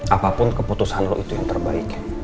apapun keputusan lo itu yang terbaik